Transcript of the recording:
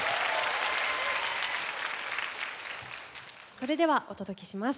それではお届けします。